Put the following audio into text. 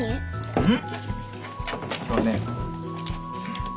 うん。